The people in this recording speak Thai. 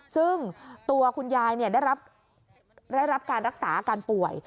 ซึ่งตัวคุณยายได้รับการรักษาอาการป่วย